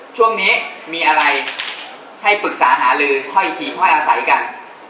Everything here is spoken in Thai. ช่วงนี้มีอะไรให้ปรึกษาหาลือค่อยอีกทีค่อยอาศัยกัน